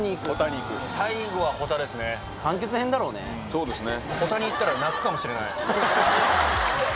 そうですね。